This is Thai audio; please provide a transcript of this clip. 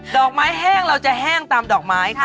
ดอกไม้แห้งเราจะแห้งตามดอกไม้ค่ะ